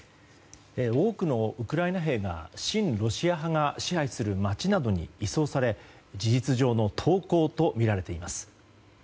多くのウクライナ兵が親ロシア派が支配する町などに移送され事実上の投降とみられています。